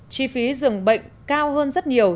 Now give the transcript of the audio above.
chi phí dừng bệnh cao hơn rất nhiều